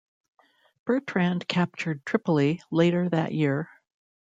Bertrand captured Tripoli later that year.